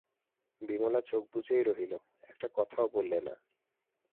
বিমলা চোখ বুজেই রইল, একটি কথাও বললে না।